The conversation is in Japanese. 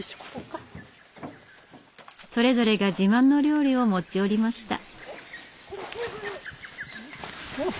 それぞれが自慢の料理を持ち寄りました。